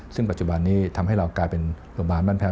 ซึ่งปัจจุบันนี้ทำให้เรากลายเป็นโรงพยาบาลบ้านแพ้